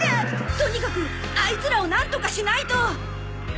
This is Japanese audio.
とにかくあいつらをなんとかしないと！